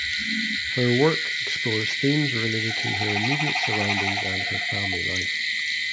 Her work explores themes related to her immediate surroundings and her family life.